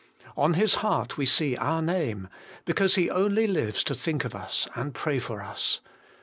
On His heart we see our name, because He only lives to think of us, and pray for us.